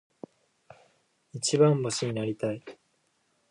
一番星になりたい。